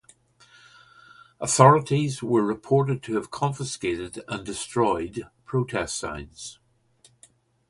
Authorities were reported to have confiscated and destroyed protest signs.